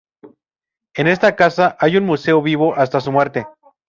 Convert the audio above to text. En esta casa, hoy un museo, vivió hasta su muerte.